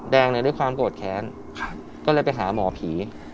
ด้วยความโกรธแค้นก็เลยไปหาหมอผี